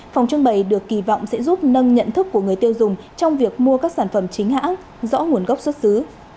phòng trưng bày được kỳ vọng sẽ giúp nâng nhận thức của người tiêu dùng trong việc mua các sản phẩm chính hãng rõ nguồn gốc xuất xứ